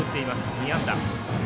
２安打。